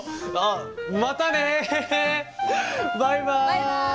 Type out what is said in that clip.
バイバイ！